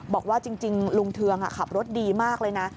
บอกว่าจริงลุงเทืองขับรถดีมากเลยนะ